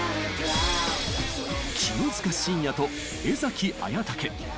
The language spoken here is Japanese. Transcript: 清塚信也と江文武。